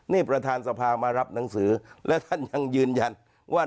นี่ประธานสภามารับหนังสือและท่านยังยืนยันว่า